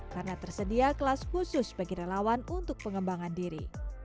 karena tersedia kelas khusus bagi relawan untuk pengembangan diri